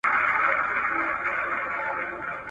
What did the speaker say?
د اوسپني کمښت څنګه پوره کیږي؟